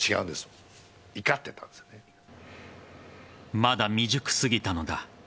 まだ未熟すぎたのだ。